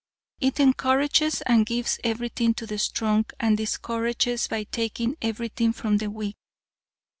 It encourages and gives everything to the strong and discourages by taking everything from the weak.